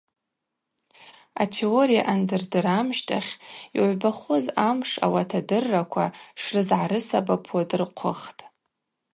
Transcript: Атеория анддырдыр амщтахь йгӏвбахуз амш ауат адырраква шрызгӏарысабапуа дырхъвыхтӏ.